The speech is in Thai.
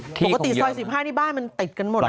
ปกติซอย๑๕นี่บ้านมันติดกันหมดนะ